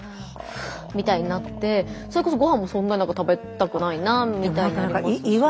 ふみたいになってそれこそごはんもそんなに食べたくないなみたいになります。